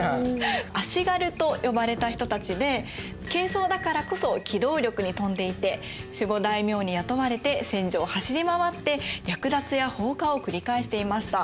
足軽と呼ばれた人たちで軽装だからこそ機動力に富んでいて守護大名に雇われて戦場を走り回って略奪や放火を繰り返していました。